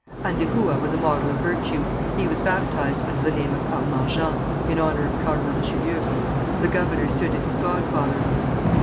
Andehoua was a model of virtue. He was baptized under the name of Armand Jean, in honour of Cardinal Richelieu. The governor stood as his godfather.